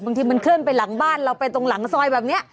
บางทีมันเคลื่อนไปหลังบ้านเราไปตรงหลังซอยแบบนี้